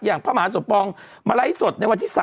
อย่างพระมหาสมปองมาไร้สดในวันที่๓